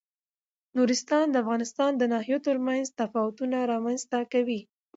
نورستان د افغانستان د ناحیو ترمنځ تفاوتونه رامنځ ته کوي.